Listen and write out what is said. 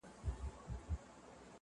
خپل جنون په کاڼو ولم!.